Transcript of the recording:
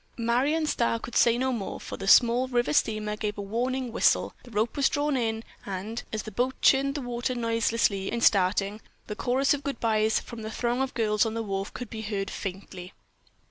Marion Starr could say no more for the small river steamer gave a warning whistle the rope was drawn in, and, as the boat churned the water noisily in starting, the chorus of goodbyes from the throng of girls on the wharf could be heard but faintly.